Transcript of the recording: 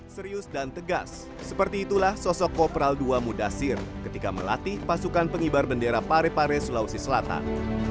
serius dan tegas seperti itulah sosok kopral ii mudasir ketika melatih pasukan pengibar bendera pare pare sulawesi selatan